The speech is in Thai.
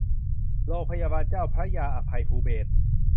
โรงพยาบาลเจ้าพระยาอภัยภูเบศร